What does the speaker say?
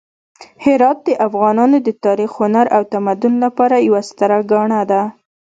هرات د افغانانو د تاریخ، هنر او تمدن لپاره یوه ستره ګاڼه ده.